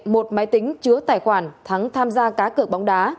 một máy tính chứa tài khoản thắng tham gia cá cược bóng đá